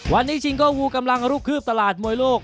วันนี้ชิงโก้ฮูกำลังคืบตลาดมวยโลก